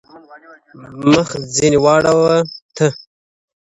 مخ ځيني واړوه ته.